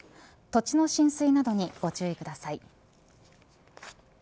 土地の浸水などにご注意ください。